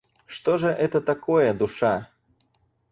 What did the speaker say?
Что же это такое душа?